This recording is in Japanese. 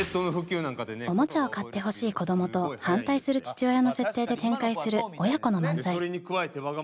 オモチャを買ってほしい子どもと反対する父親の設定で展開する「親子」の漫才。